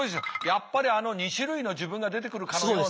やっぱりあの２種類の自分が出てくるかのような。